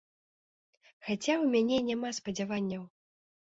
Хаця ў мяне няма спадзяванняў.